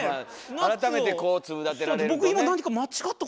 改めてこう粒立てられるとね。